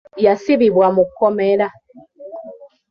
Yasibibwa mu kkomera.